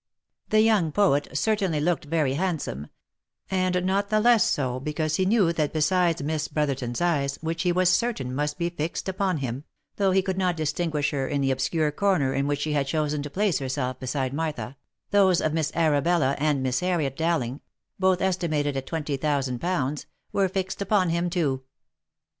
The young poet certainly looked very handsome ; and not the less so because he knew that besides Miss Brotherton's eyes, which he was certain must be fixed upon him (though he could not distinguish her in the obscure corner in which she had chosen to place herself beside Martha), those of Miss Arabella and Miss Harriet Dowling (both estimated at twenty thousand pounds), were fixed upon him too.